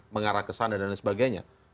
mengarah kesana dan lain sebagainya